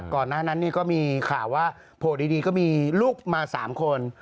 ก่อนหน้านั้นนี่ก็มีข่าวว่าโผล่ดีก็มีลูกมา๓คน